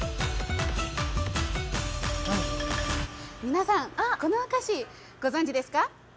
皆さんこのお菓子ご存じですか？